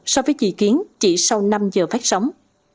so với dự kiến chỉ sau năm giờ phát sóng